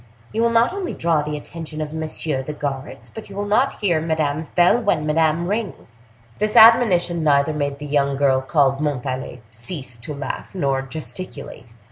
You will not only draw the attention of messieurs the guards, but you will not hear Madame's bell when Madame rings." This admonition neither made the young girl called Montalais cease to laugh nor gesticulate.